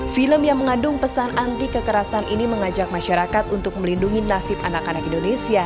film yang mengandung pesan anti kekerasan ini mengajak masyarakat untuk melindungi nasib anak anak indonesia